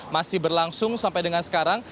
masih berlangsung sampai dengan sekarang